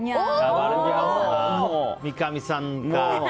三上さんか。